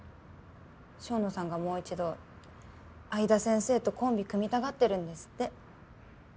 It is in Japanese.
正野さんがもう一度相田先生とコンビ組みたがってるんですって。